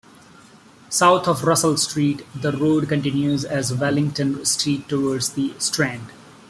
South of Russell Street, the road continues as Wellington Street towards The Strand.